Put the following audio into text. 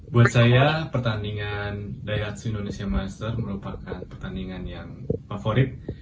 buat saya pertandingan dayats indonesia master merupakan pertandingan yang favorit